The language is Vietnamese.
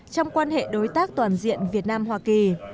trong quan hệ đối tác toàn diện việt nam hoa kỳ